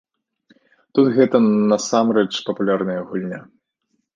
Тут гэта насамрэч папулярная гульня.